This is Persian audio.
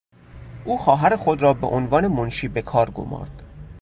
او خواهر خود را به عنوان منشی به کار گمارد.